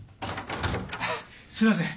・すいません。